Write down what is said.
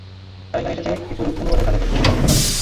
তারা এখানে এসেছে কিছু অনুবাদের কাজের জন্য আমার সাথে কথা বলতে।